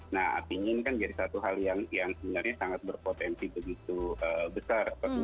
nah artinya ini kan jadi satu hal yang sebenarnya sangat berpotensi begitu besar